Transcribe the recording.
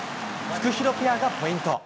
フクヒロペアがポイント。